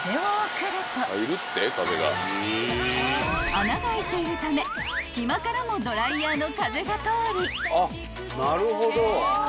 ［穴が開いているため隙間からもドライヤーの風が通り］